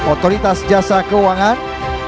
otoritas jasa keuangan